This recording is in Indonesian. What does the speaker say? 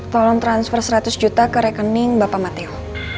tolong transfer seratus juta ke rekening bapak mateo